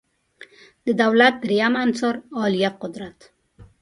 د دولت دریم عنصر عالیه قدرت